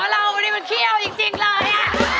อ๋อเราวันนี้มันเขี้ยวจริงเลย